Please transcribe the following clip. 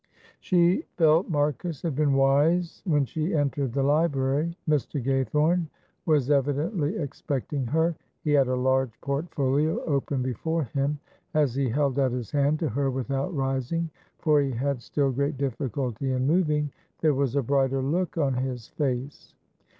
She felt Marcus had been wise when she entered the library. Mr. Gaythorne was evidently expecting her; he had a large portfolio open before him. As he held out his hand to her without rising for he had still great difficulty in moving there was a brighter look on his face.